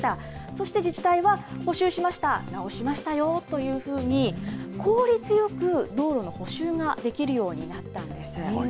そして自治体は補修しました、直しましたよというふうに、効率よく道路の補修ができるようになったんです。